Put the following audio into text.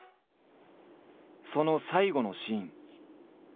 その最期のシーン。